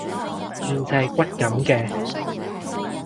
現實係骨感嘅